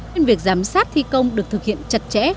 nên việc giám sát thi công được thực hiện chặt chẽ